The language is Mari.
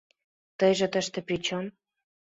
Тыйже тыште причём?